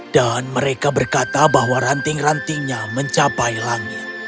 dan mereka berkata bahwa ranting rantingnya mencapai langit